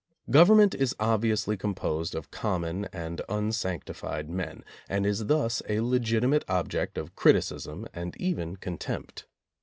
Government is obviously composed of common and unsanctified men, and is thus a legitimate ob ject of criticism and even contempt.